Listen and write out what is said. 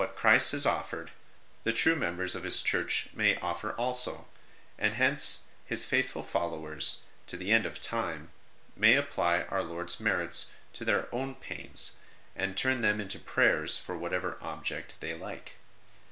84 ST. ROSE OF LIMA true members of His Church may offer also ; and hence His faithful followers, to the end of time, may apply Our Lord s merits to their own pains and turn them into prayers for whatever object they like.